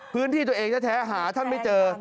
พื้นที่ตัวเองแท้หาท่านไม่เจอ